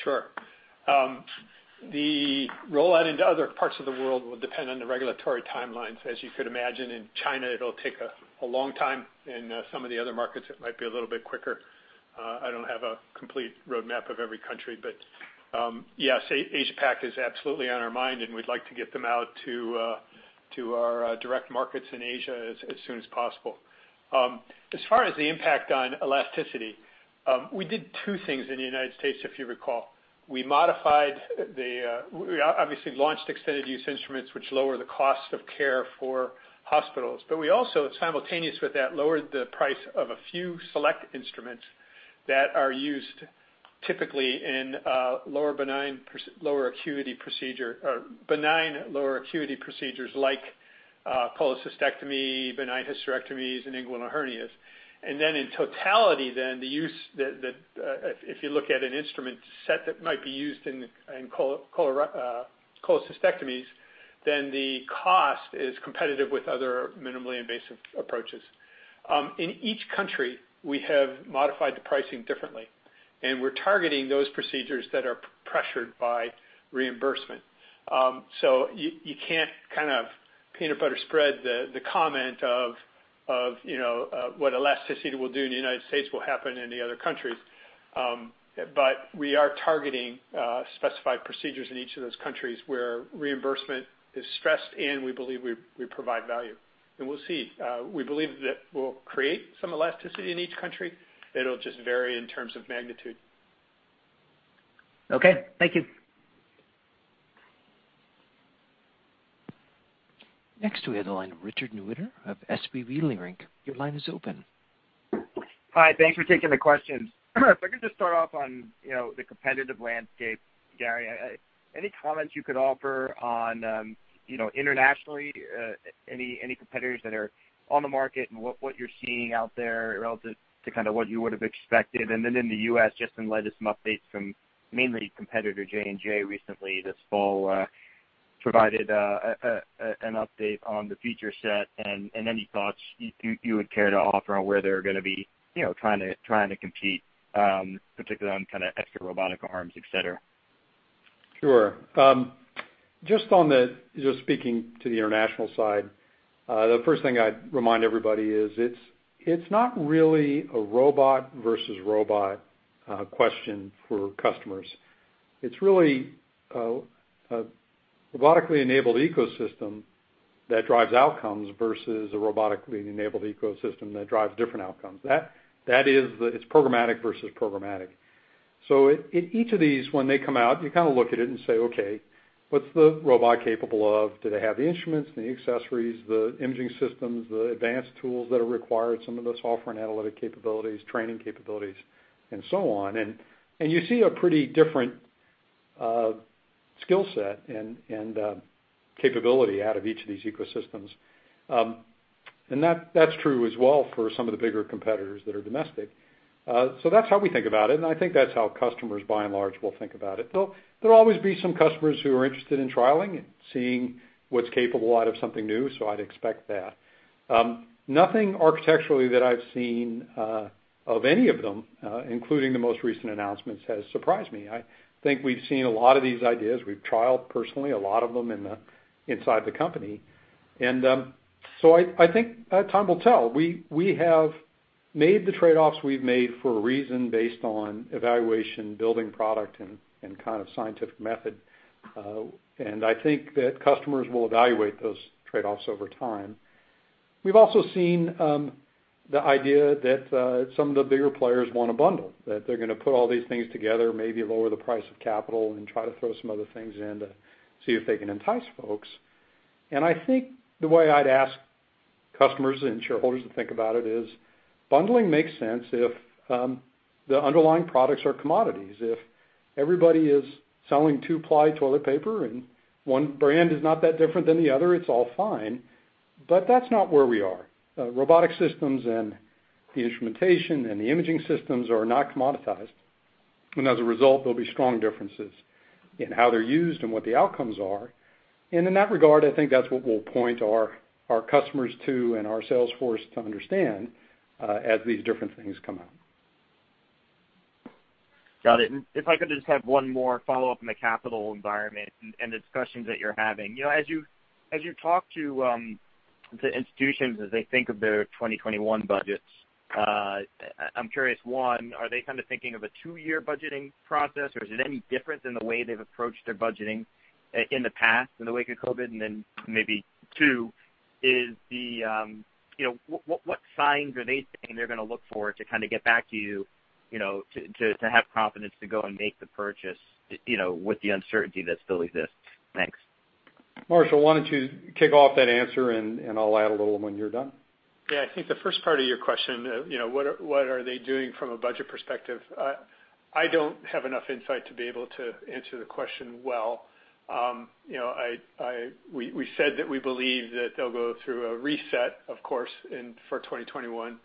Sure. The rollout into other parts of the world will depend on the regulatory timelines. As you could imagine, in China it'll take a long time. In some of the other markets it might be a little bit quicker. I don't have a complete roadmap of every country, but yes, Asia Pac is absolutely on our mind, and we'd like to get them out to our direct markets in Asia as soon as possible. As far as the impact on elasticity, we did two things in the United States, if you recall. We obviously launched extended use instruments, which lower the cost of care for hospitals. We also, simultaneous with that, lowered the price of a few select instruments that are used typically in benign, lower acuity procedures like cholecystectomy, benign hysterectomies, and inguinal hernias. In totality, if you look at an instrument set that might be used in cholecystectomies, the cost is competitive with other minimally invasive approaches. In each country, we have modified the pricing differently, and we're targeting those procedures that are pressured by reimbursement. You can't kind of peanut butter spread the comment of what elasticity will do in the U.S. will happen in the other countries. We are targeting specified procedures in each of those countries where reimbursement is stressed and we believe we provide value. We'll see. We believe that we'll create some elasticity in each country. It'll just vary in terms of magnitude. Okay. Thank you. Next we have the line of Richard Newitter of SVB Leerink. Your line is open. Hi, thanks for taking the questions. If I could just start off on the competitive landscape. Gary, any comments you could offer on internationally, any competitors that are on the market and what you're seeing out there relative to what you would have expected? In the U.S., just in light of some updates from mainly competitor J&J recently this fall provided an update on the feature set and any thoughts you would care to offer on where they're going to be trying to compete, particularly on extra robotic arms, etc. Sure. Just speaking to the international side. The first thing I'd remind everybody is it's not really a robot versus robot question for customers. It's really a robotically enabled ecosystem that drives outcomes versus a robotically enabled ecosystem that drives different outcomes. It's programmatic versus programmatic. Each of these, when they come out, you look at it and say, "Okay, what's the robot capable of? Do they have the instruments, the accessories, the imaging systems, the advanced tools that are required, some of the software and analytic capabilities, training capabilities, and so on?" You see a pretty different skill set and capability out of each of these ecosystems. That's true as well for some of the bigger competitors that are domestic. That's how we think about it, and I think that's how customers by and large will think about it. There'll always be some customers who are interested in trialing and seeing what's capable out of something new, so I'd expect that. Nothing architecturally that I've seen of any of them, including the most recent announcements, has surprised me. I think we've seen a lot of these ideas. We've trialed personally a lot of them inside the company. I think time will tell. We have made the trade-offs we've made for a reason based on evaluation, building product, and kind of scientific method. I think that customers will evaluate those trade-offs over time. We've also seen the idea that some of the bigger players want to bundle, that they're going to put all these things together, maybe lower the price of capital and try to throw some other things in to see if they can entice folks. I think the way I'd ask customers and shareholders to think about it is bundling makes sense if the underlying products are commodities. If everybody is selling two-ply toilet paper and one brand is not that different than the other, it's all fine. That's not where we are. Robotic systems and the instrumentation and the imaging systems are not commoditized. As a result, there'll be strong differences in how they're used and what the outcomes are. In that regard, I think that's what we'll point our customers to and our sales force to understand as these different things come out. Got it. If I could just have one more follow-up in the capital environment and the discussions that you're having. As you talk to the institutions as they think of their 2021 budgets, I'm curious, one, are they kind of thinking of a two-year budgeting process, or is it any different than the way they've approached their budgeting in the past in the wake of COVID-19? Maybe two, what signs are they saying they're going for to kind of get back to you to have confidence to go and make the purchase with the uncertainty that still exists? Thanks. Marshall, why don't you kick off that answer, and I'll add a little when you're done. Yeah. I think the first part of your question, what are they doing from a budget perspective? I don't have enough insight to be able to answer the question well. We said that we believe that they'll go through a reset, of course, for 2021.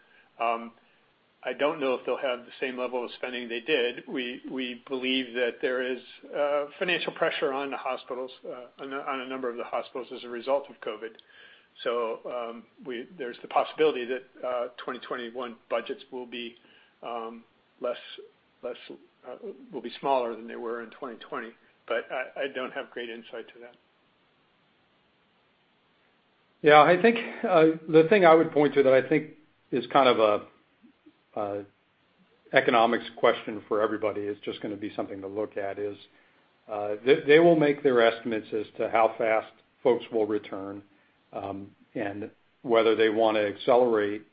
I don't know if they'll have the same level of spending they did. We believe that there is financial pressure on a number of the hospitals as a result of COVID. There's the possibility that 2021 budgets will be smaller than they were in 2020, but I don't have great insight to that. Yeah. I think the thing I would point to that I think is kind of an economics question for everybody is just going to be something to look at is they will make their estimates as to how fast folks will return and whether they want to accelerate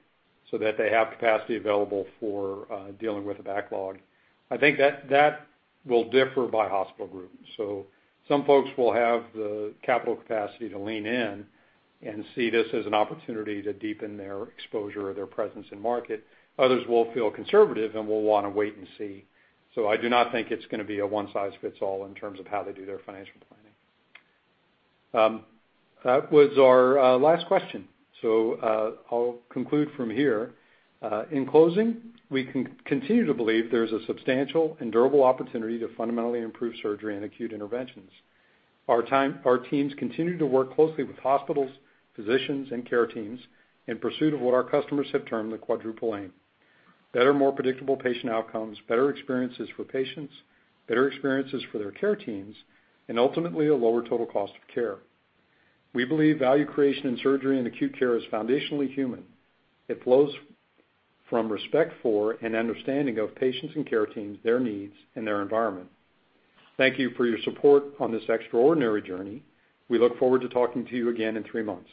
so that they have capacity available for dealing with a backlog. I think that will differ by hospital group. Some folks will have the capital capacity to lean in and see this as an opportunity to deepen their exposure or their presence in market. Others will feel conservative and will want to wait and see. I do not think it's going to be a one-size-fits-all in terms of how they do their financial planning. That was our last question. I'll conclude from here. In closing, we continue to believe there's a substantial and durable opportunity to fundamentally improve surgery and acute interventions. Our teams continue to work closely with hospitals, physicians, and care teams in pursuit of what our customers have termed the Quadruple Aim. Better, more predictable patient outcomes, better experiences for patients, better experiences for their care teams, and ultimately a lower total cost of care. We believe value creation in surgery and acute care is foundationally human. It flows from respect for and understanding of patients and care teams, their needs, and their environment. Thank you for your support on this extraordinary journey. We look forward to talking to you again in three months.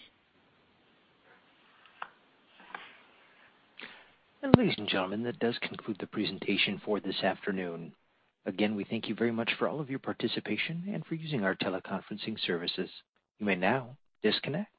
Ladies and gentlemen, that does conclude the presentation for this afternoon. Again, we thank you very much for all of your participation and for using our teleconferencing services. You may now disconnect.